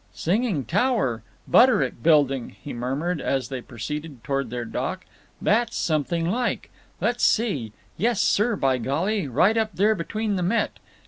"Singer Tower…. Butterick Building," he murmured, as they proceeded toward their dock. "That's something like…. Let's see; yes, sir, by golly, right up there between the Met.